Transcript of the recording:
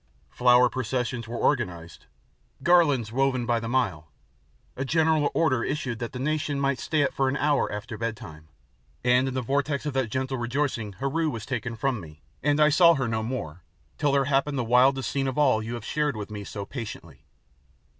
Flower processions were organised, garlands woven by the mile, a general order issued that the nation might stay up for an hour after bedtime, and in the vortex of that gentle rejoicing Heru was taken from me, and I saw her no more, till there happened the wildest scene of all you have shared with me so patiently.